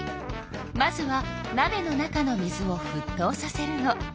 まずはなべの中の水をふっとうさせるの。